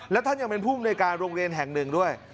และท่านยังเป็นผู้มนุยการโรงเรียนแห่งหนึ่งด้วย